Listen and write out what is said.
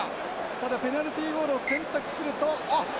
ただペナルティーゴールを選択すると。